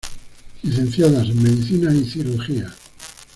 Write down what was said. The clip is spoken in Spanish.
Licenciada en Medicina y Cirugía.